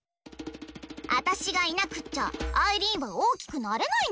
あたしがいなくっちゃアイリーンは大きくなれないんだからね！